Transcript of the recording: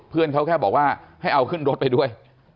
เพื่อนเขาแค่บอกว่าให้เอาขึ้นรถไปด้วย